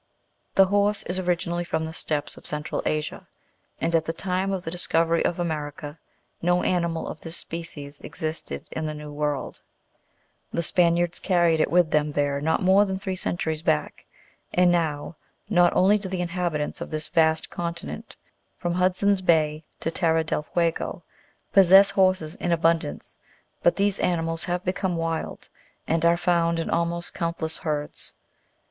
The horse is origin ally from the steppes of Central Asia, and, at the time of the discovery of America, no animal of this species existed in the New World ; the Spaniards carried it with them there not more than three centuries back, and now, not only do tfee inhabitants of this vast continent, from Hudson's Bay to Terra del Fuego, possess horses in abundance, but these animals have become wild, and are found in almost countless herds.